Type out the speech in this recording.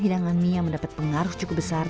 hidangan mie yang mendapat pengaruh cukup besar